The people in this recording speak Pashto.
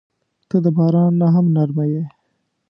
• ته د باران نه هم نرمه یې.